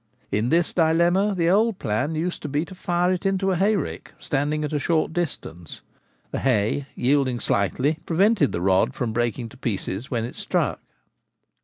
In this dilemma the old plan used to be to fire it into a hayrick, standing at a short distance ; the hay, yielding slightly, prevented the rod from breaking to pieces when it struck.